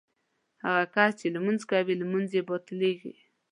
هغه کس چې لمونځ کوي لمونځ یې باطلېږي.